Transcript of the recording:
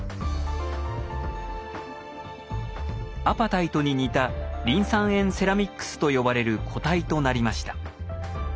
アパタイトに似たリン酸塩セラミックスと呼ばれる固体となりました。